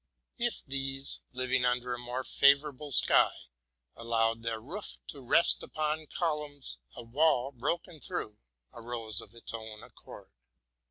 If these, living under a more favorable sky, allowed their roof to rest upon columns, a wall, broken through, arose of its own accord.